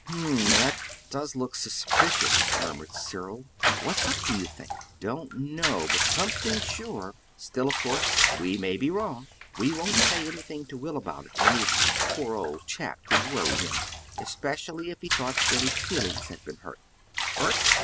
"Hm m; that does look suspicious," murmured Cyril. "What's up, do you think?" "Don't know; but something, sure. Still, of course we may be wrong. We won't say anything to Will about it, anyhow. Poor old chap, 'twould worry him, specially if he thought Billy's feelings had been hurt." "Hurt?